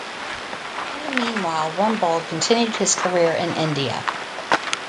In the meanwhile, Rumbold continued his career in India.